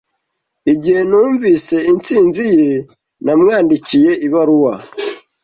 Igihe numvise intsinzi ye, namwandikiye ibaruwa.